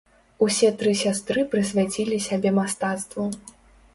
Усе тры сястры прысвяцілі сябе мастацтву.